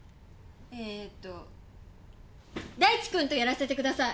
えと大地くんとやらせてください！